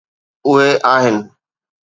اهي آهن.